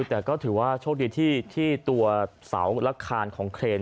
แต่ถือว่าโชคดีที่สาวละคารของเครน